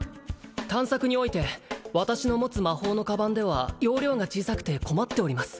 探索において私の持つ魔法の鞄では容量が小さくて困っております